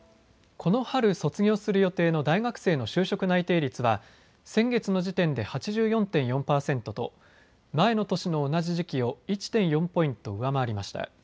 この春卒業する予定の大学生の就職内定率は先月の時点で８４．４％と前の年の同じ時期を１．４ポイント上回りました。